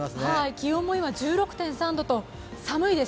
気温も今１６．３度と寒いです。